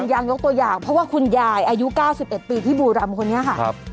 ยังยังยกตัวอย่างเพราะว่าคุณยายอายุ๙๑ปีที่บูรรมคนนี้ครับครับ